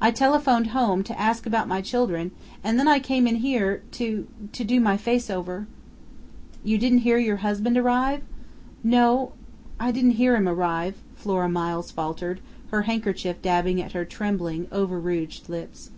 I telephoned home to ask about my children, and then I came in here to to do my face over " "You didn't hear your husband arrive?" "No, I didn't hear him arrive," Flora Miles faltered, her handkerchief dabbing at her trembling, over rouged lips.